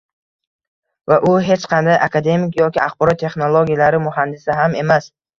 va u hech qanday akademik yoki axborot texnologiyalari muhandisi ham emas.